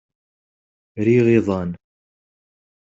Riɣ iḍan.